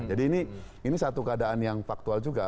jadi ini satu keadaan yang faktual juga